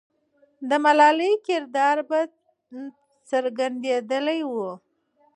د ملالۍ کردار به څرګندېدلی وو.